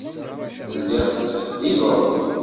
Telliḍ tettbeddileḍ.